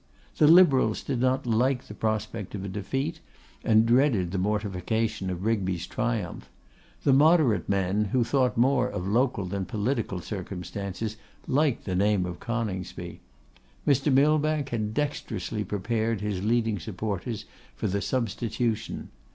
The Liberals did not like the prospect of a defeat, and dreaded the mortification of Rigby's triumph. The Moderate men, who thought more of local than political circumstances, liked the name of Coningsby. Mr. Millbank had dexterously prepared his leading supporters for the substitution.